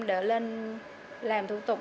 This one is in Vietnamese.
để lên làm thủ tục